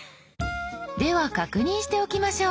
では確認しておきましょう。